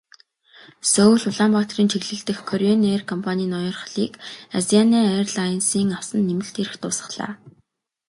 Сөүл-Улаанбаатарын чиглэл дэх Кореан эйр компанийн ноёрхлыг Азиана эйрлайнсын авсан нэмэлт эрх дуусгалаа.